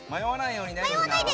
迷わないでね